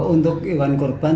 untuk hewan kurban